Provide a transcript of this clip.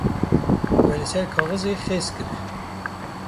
We li ser kaxezê xêz kir.